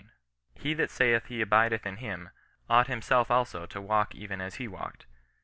He that saith he abideth in him, ought himself also to walk even as he walked.